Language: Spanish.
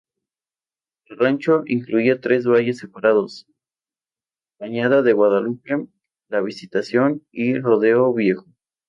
El rancho incluía tres valles separados: Cañada de Guadalupe, La Visitación, y Rodeo Viejo.